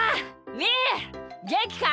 みーげんきか？